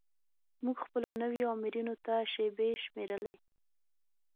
موږ خپلو نویو آمرینو ته شیبې شمیرلې.